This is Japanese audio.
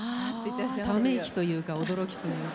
ため息というか驚きというか。